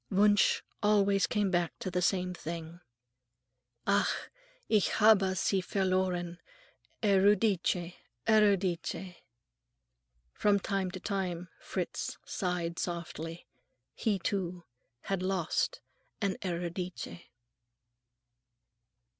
Wunsch always came back to the same thing:— "Ach, ich habe sie verloren, ... Euridice, Euridice!" From time to time Fritz sighed softly. He, too, had lost a Euridice.